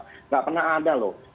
tidak pernah ada loh